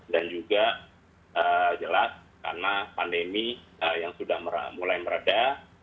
dan juga jelas karena pandemi yang sudah mulai meredah